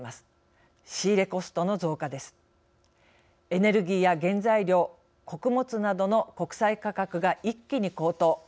エネルギーや原材料、穀物などの国際価格が一気に高騰。